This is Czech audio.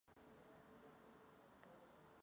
Úpravy areálu probíhaly také později.